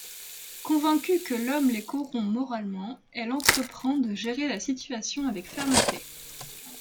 Convaincue que l'homme les corrompt moralement, elle entreprend de gérer la situation avec fermeté.